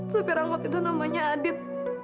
sopir angkot itu namanya adit